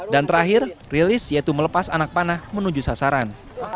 dan terakhir release yaitu melepas anak panah menuju sasaran